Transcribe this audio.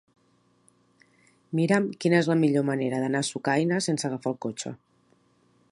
Mira'm quina és la millor manera d'anar a Sucaina sense agafar el cotxe.